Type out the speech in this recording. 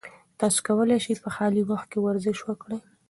تاسي کولای شئ په خالي وخت کې ورزش وکړئ.